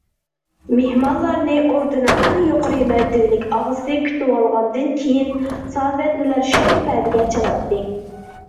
مېھمانلارنى ئوردىنىڭ ئەڭ يۇقىرى مەرتىۋىلىك ئاغىسى كۈتۈۋالغاندىن كېيىن، سازەندىلەر شوخ پەدىگە چالاتتى.